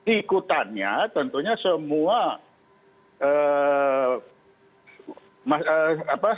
ikutannya tentunya semua organisasi terlarang